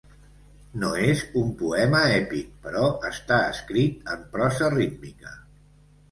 No és un poema èpic, però està escrit en prosa rítmica.